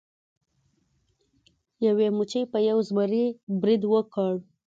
یوې مچۍ په یو زمري برید وکړ.